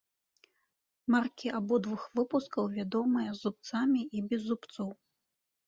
Маркі абодвух выпускаў вядомыя з зубцамі і без зубцоў.